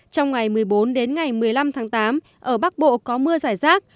trong ngày một mươi bốn đến ngày một mươi năm tháng tám ở bắc bộ có mưa giải rác